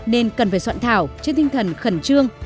nên cần phải soạn thảo trên tinh thần khẩn trương